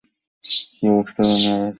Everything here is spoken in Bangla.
কী অবস্থা, দুনিয়াবাসী?